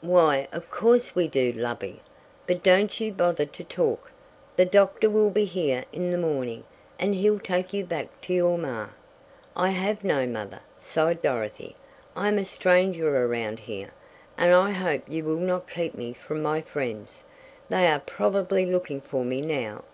"Why of course we do, lovey. But don't you bother to talk. The doctor will be here in the morning, and he'll take you back to your maw." "I have no mother," sighed Dorothy. "I am a stranger around here, and I hope you will not keep me from my friends. They are probably looking for me now."